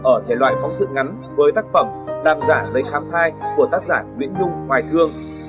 ở thể loại phóng sự ngắn với tác phẩm làm giả giấy khám thai của tác giả nguyễn nhung hoài thương